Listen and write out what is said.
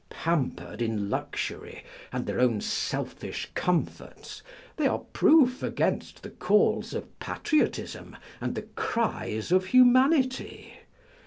Pampered in luxury and their own selfish comforts, they are proof against the calls of patriotism and the cries of humanity.